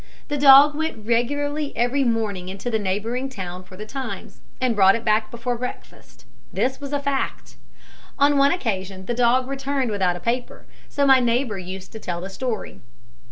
The dog went regularly every morning into the neighbouring town for the Times, and brought it back before breakfast. This was a fact. On one occasion the dog returned without a paper, so my neighbour used to tell the story.